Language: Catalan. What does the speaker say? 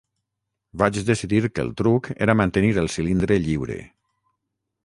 Vaig decidir que el truc era mantenir el cilindre lliure.